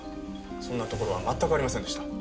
そんなところは全くありませんでした。